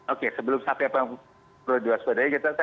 oke sebelum apa yang perlu diwaspadai kita terima kasih